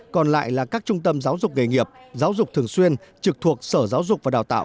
còn lại là các trung tâm giáo dục nghề nghiệp giáo dục thường xuyên trực thuộc sở giáo dục và đào tạo